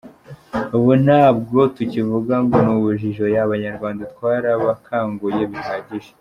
Ubu nta bwo tukivuga ngo ni ubujiji, oya, abanyarwanda twarabakanguye bihagije.